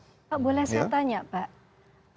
pak boleh saya tanya pak